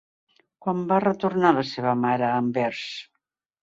Quan va retornar la seva mare a Anvers?